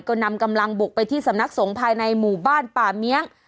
ก็นำกำลังบุกไปที่สำนักสงฆ์ภายในหมู่บ้านป่าเมียง